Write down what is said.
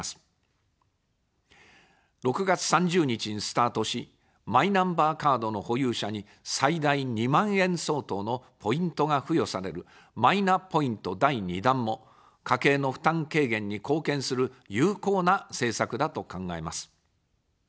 ６月３０日にスタートし、マイナンバーカードの保有者に最大２万円相当のポイントが付与される、マイナポイント第２弾も家計の負担軽減に貢献する有効な政策だと考えます。